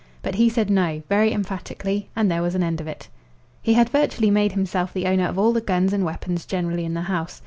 But he said "No" very emphatically, and there was an end of it. He had virtually made himself the owner of all the guns and weapons generally in the house.